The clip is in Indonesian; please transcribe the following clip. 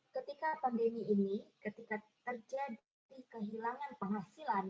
ketika pandemi ini ketika terjadi kehilangan penghasilan